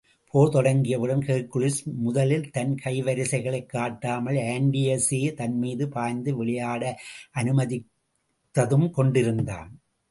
போர் தொடங்கியவுடன், ஹெர்க்குலிஸ், முதலில் தன் கை வரிசைகளைக் காட்டாமல் ஆன்டியஸே தன்மீது பாய்ந்து விளையாட அநுமதித்தும் கொண்டிருந்தான்.